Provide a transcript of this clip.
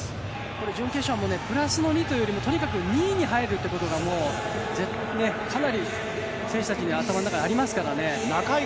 準決勝のプラス２というより２位に入るということが選手たちの頭の中にありますから。